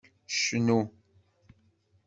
Cnu!